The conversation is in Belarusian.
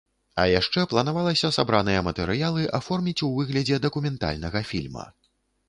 А яшчэ планавалася сабраныя матэрыялы аформіць у выглядзе дакументальнага фільма.